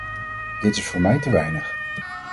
Dit is voor mij te weinig.